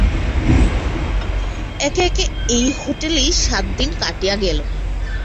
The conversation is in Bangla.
একে একে এই হোটেলেই সাতদিন কাটিয়া গেল!